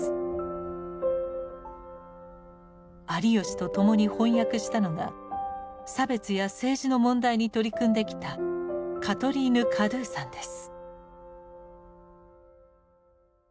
有吉とともに翻訳したのが差別や政治の問題に取り組んできたカトリーヌ・カドゥさんです。